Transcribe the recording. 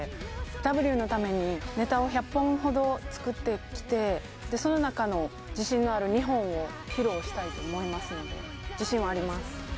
Ｗのためにネタを１００本ほど作ってきて、その中の自信のある２本を披露したいと思いますので、自信はあります。